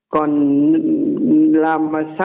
còn làm sai cái đó